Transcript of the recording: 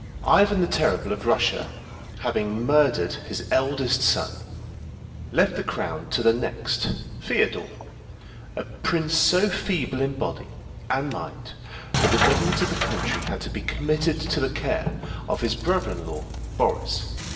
Ivan the Terrible of Russia, having murdered his eldest son, left the crown to the next, Feodore, a prince so feeble in body and mind that the government of the country had to be committed to the care of his brother in law, Boris.